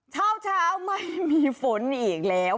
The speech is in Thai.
เช้าไม่มีฝนอีกแล้ว